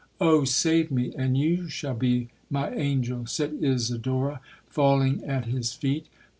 '—'Oh! save me, and you shall be my angel!' said Isidora, falling at his feet.